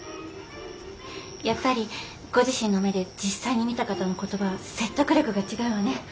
やっぱりご自身の目で実際に見た方の言葉は説得力が違うわね。